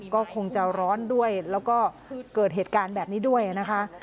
ก็คงจะร้อนด้วยแล้วก็เกิดเหตุการณ์แบบนี้ด้วยนะคะ